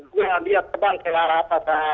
gue lihat tebang ke atas